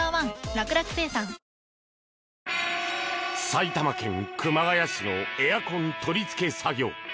埼玉県熊谷市のエアコン取り付け作業。